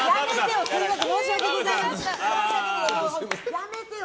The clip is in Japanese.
やめてよ！